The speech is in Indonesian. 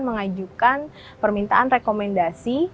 mengajukan permintaan rekomendasi